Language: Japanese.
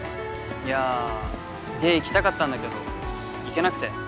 いやすげえ行きたかったんだけど行けなくて。